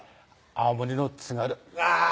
青森の津軽あぁ